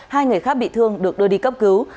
hai người khác bị thương được đưa đi cấp cứu